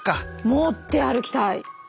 持って歩きたい！